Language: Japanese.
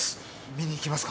見に行きますか？